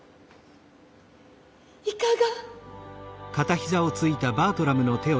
いかが？